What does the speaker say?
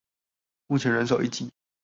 目前人手一機